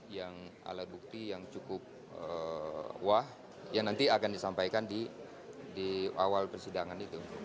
yang alat bukti yang cukup wah yang nanti akan disampaikan di awal persidangan itu